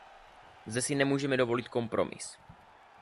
Zde si nemůžeme dovolit kompromis.